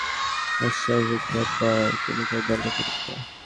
কিন্তু তাঁর বেলায় এটা একটা অস্বাভাবিক ব্যাপার।